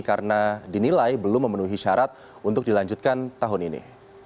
karena dinilai belum memenuhi syarat untuk dilanjutkan tahun ini